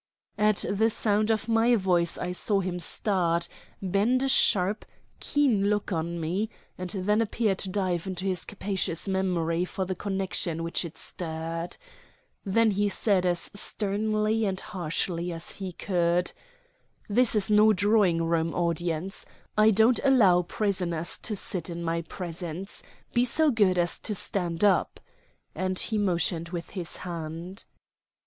At the sound of my voice I saw him start, bend a sharp, keen look on me, and then appear to dive into his capacious memory for the connection which it stirred. Then he said as sternly and harshly as he could: "This is no drawing room audience. I don't allow prisoners to sit in my presence. Be so good as to stand up," and he motioned with his hand.